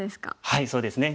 はいそうですね。